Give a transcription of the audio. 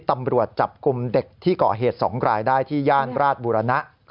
ตำรวจจับกลุ่มเด็กที่เกาะเหตุ๒รายได้ที่ย่านราชบุรณะ